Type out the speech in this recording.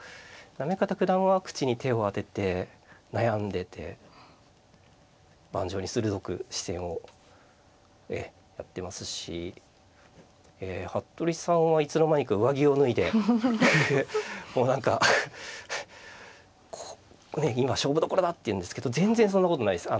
行方九段は口に手を当てて悩んでて盤上に鋭く視線をええやってますしえ服部さんはいつの間にか上着を脱いでもう何かこうねえ今勝負どころだっていうんですけど全然そんなことないです。